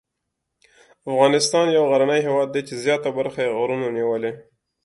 افغانستان یو غرنی هېواد دی چې زیاته برخه یې غرونو نیولې.